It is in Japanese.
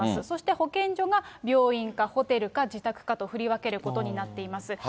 そして保健所が、病院かホテルか自宅かと振り分けることになっています。